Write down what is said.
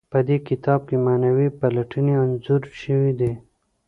په دې کتاب کې معنوي پلټنې انځور شوي دي.